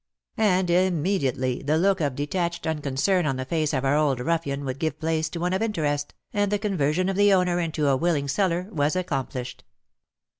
And immediately the look of detached uncon cern on the face of our old ruffian would give place to one of interest, and the conversion of the owner into a willing seller was accomplished.